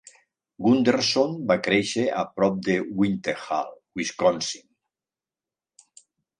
Gunderson va créixer a prop de Whitehall (Wisconsin).